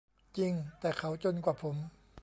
"จริง แต่เขาจนกว่าผม"